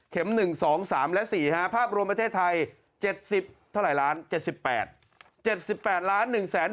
๑๒๓และ๔ภาพรวมประเทศไทย๗๐เท่าไหร่ล้าน๗๘ล้าน